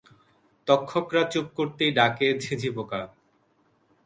তক্ষকরা চুপ করতেই ডাকে ঝিঁঝিপোকা।